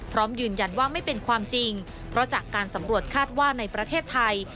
พร้อมยืนยันว่าไม่เป็นความจริงเพราะจากการสำรวจคาดว่าในประเทศไทย